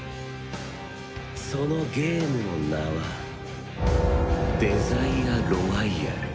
そのゲームの名はデザイアロワイヤル。